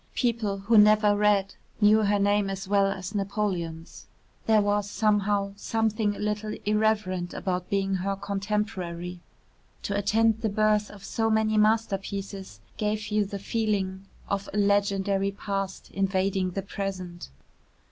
People who never read knew her name as well as Napoleon's. There was, somehow, something a little irreverent about being her contemporary. To attend the birth of so many masterpieces gave you the feeling of a legendary past invading the present.